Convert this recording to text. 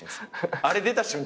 あれ出た瞬間